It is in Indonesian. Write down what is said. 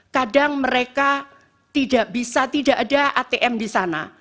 kadang mereka tidak bisa tidak ada atm di sana